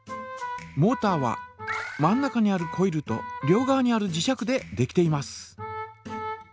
モータは真ん中にあるコイルと両側にある磁石でできています。